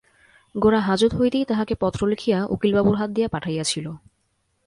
গোরা হাজত হইতেই তাঁহাকে পত্র লিখিয়া উকিলবাবুর হাত দিয়া পাঠাইয়াছিল।